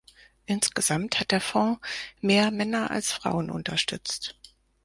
Insgesamt hat der Fonds mehr Männer als Frauen unterstützt.